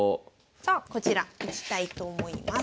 さあこちらいきたいと思います。